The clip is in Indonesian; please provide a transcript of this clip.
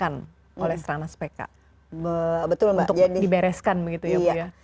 untuk dibereskan begitu ya mbak